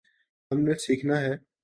ہم نے سیکھنا ہے۔